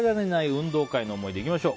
運動会の思い出いきましょう。